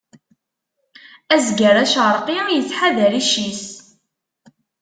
Azger acerqi ittḥadar icc-is.